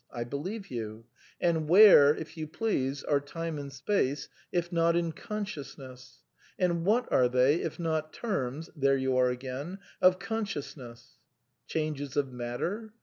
I believe you ; and where, if you please, are time and space if not in consciousness ? And what are they if not terms — there you are again — of consciousness ? Changes of matter?